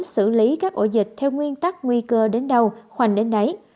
xử lý các ổ dịch theo nguyên tắc nguy cơ đến đâu khoanh đến đấy